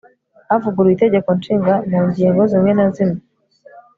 havuguruwe itegeko nshinga mu ngingo zimwe na zimwe